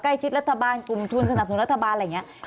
คิดรัฐบาลกลุ่มทุนสนับสนุนรัฐบาลอะไรอย่างนี้